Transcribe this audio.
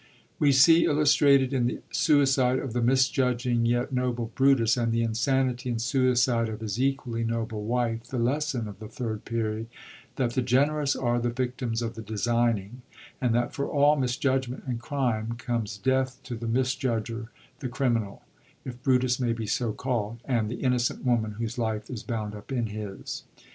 We see illustrated, in the suicide of the misjudging yet noble Brutiis, and the insanity and suicide of his equally noble wife, the lesson of the Third Period, that the generous are the victims of the designing, and that for all mis judgment and crime comes death to the misjudger, the criminal, — if Brutus may be so calld, — and the innocent woman whose life is bound up in his.